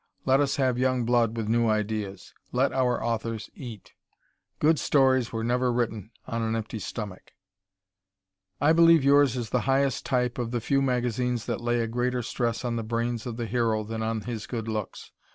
Let us have young blood with new ideas. Let our authors eat. Good stories were never written on an empty stomach. I believe yours is the highest type of the few magazines that lay a greater stress on the brains of the hero than on his good looks.